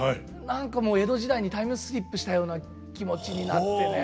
何か江戸時代にタイムスリップしたような気持ちになってね。